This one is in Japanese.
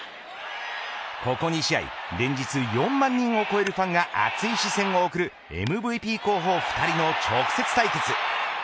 ここ２試合、連日４万人を超えるファンが熱い視線を送るＭＶＰ候補２人の直接対決。